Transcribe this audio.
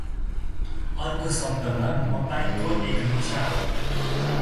अर्को शब्दमा मपाईत्व एक नशा हो